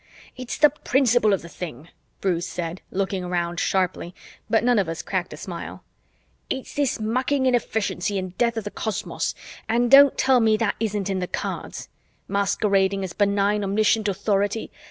"It's the principle of the thing," Bruce said, looking around sharply, but none of us cracked a smile. "It's this mucking inefficiency and death of the cosmos and don't tell me that isn't in the cards! masquerading as benign omniscient authority.